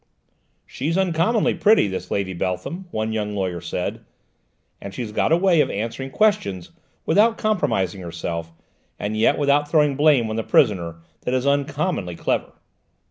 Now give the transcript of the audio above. "She's uncommonly pretty, this Lady Beltham," one young lawyer said, "and she's got a way of answering questions without compromising herself, and yet without throwing blame on the prisoner, that is uncommonly clever."